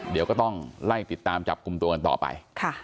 เดี๋ยวก็ต้องไล่ติดตามจับกลุ่มตัวกันต่อไป